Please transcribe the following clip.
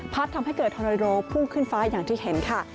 ทำให้เกิดทอนาโดพุ่งขึ้นฟ้าอย่างที่เห็นค่ะ